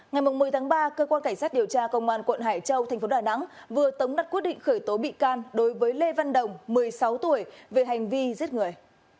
ngày một mươi tháng ba cơ quan cảnh sát điều tra công an tp hcm vừa tống đặt quyết định khởi tố bị can đối với lê văn đồng một mươi sáu tuổi về hành vi giết người